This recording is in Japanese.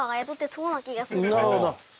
なるほど。